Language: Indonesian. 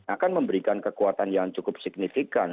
akan memberikan kekuatan yang cukup signifikan